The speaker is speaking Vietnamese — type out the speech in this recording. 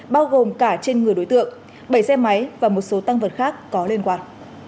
bao gồm cả trên người đối tượng bảy xe máy và một số tăng vật khác có liên quan